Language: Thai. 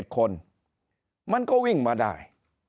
๗คนมันก็วิ่งมาได้